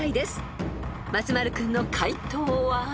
［松丸君の解答は？］